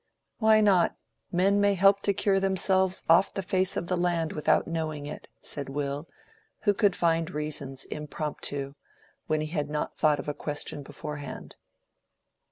"Why not? Men may help to cure themselves off the face of the land without knowing it," said Will, who could find reasons impromptu, when he had not thought of a question beforehand.